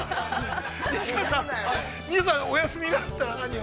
西田さん、お休みがあったら何を？